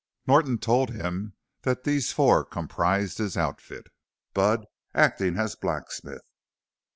Norton told him that these four comprised his outfit Bud acting as blacksmith.